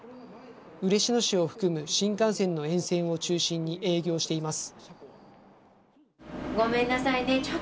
嬉野市を含む新幹線の沿線を中心に営業しています。